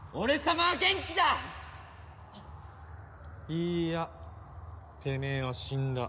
いいやてめえは死んだ。